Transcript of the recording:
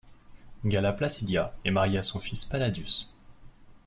Galla Placidia est mariée à son fils Palladius.